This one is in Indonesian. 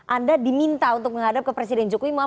anda diminta untuk menghadap ke presiden jokowi